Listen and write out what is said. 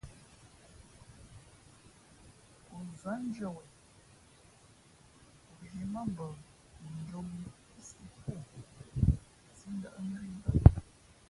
O zάndʉ̄ᾱ wen, o zhī mά mbα njō mǐ sǐʼ tú o, sī ndα̌ʼ nzhwīē i bᾱ.